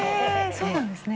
そうなんですね。